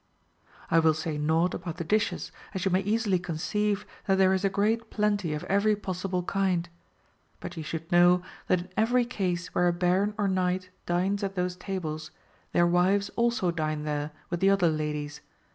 ^ I will say nought about the dishes, as you may easily conceive that there is a great plenty of every possible kind. But you should know that in every case where a Baron or Knight dines at those tables, their wives also dine there with the other ladies.